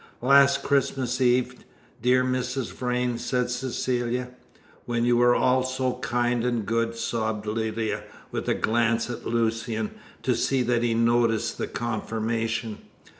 "Last Christmas Eve, dear Mrs. Vrain?" said Cecilia. "When you were all so kind and good," sobbed Lydia, with a glance at Lucian, to see that he noticed the confirmation.